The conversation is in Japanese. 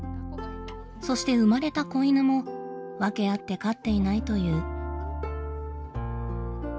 そして生まれた子犬も訳あって飼っていないという。